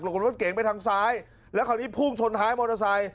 กับรถเก๋งไปทางซ้ายแล้วคราวนี้พุ่งชนท้ายมอเตอร์ไซค์